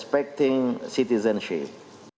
dan menghormati kekuatan